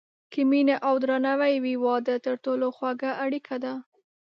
که مینه او درناوی وي، واده تر ټولو خوږه اړیکه ده.